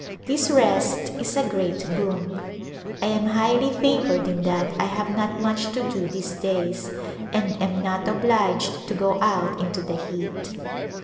This rest is a great boon. I am highly favored in that I have not much to do these days and am not obliged to go out into the heat.